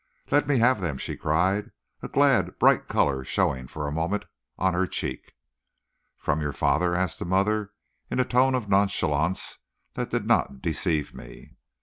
"Let me have them!" she cried, a glad, bright color showing for a moment on her cheek. "From your father?" asked the mother, in a tone of nonchalance that did not deceive me.